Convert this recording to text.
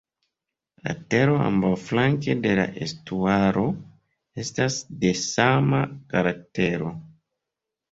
La tero ambaŭflanke de la estuaro estas de sama karaktero.